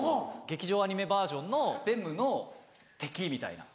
劇場アニメバージョンのベムの敵みたいな。